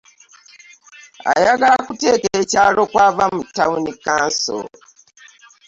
Ayagala okuteeka ekyalo kw'ava mu ttaawuni kkanso